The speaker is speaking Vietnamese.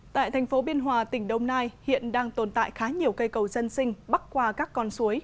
tại thành phố biên hòa tỉnh đông nai hiện đang tồn tại khá nhiều cây cầu dân sinh bắc qua các con suối